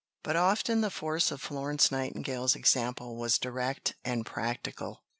But often the force of Florence Nightingale's example was direct and practical.